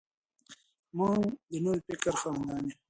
موږ د نوي فکر خاوندان یو.